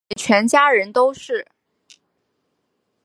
对全家人都是